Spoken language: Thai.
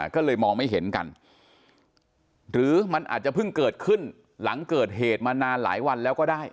ก็เลยมองไม่เห็นกันหรือมันอาจจะเพิ่งเกิดขึ้นหลังเกิดเหตุมานานหลายวันแล้วก็ได้